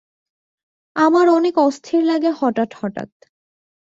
আমার অনেক অস্থির লাগে হঠাৎ হঠাৎ।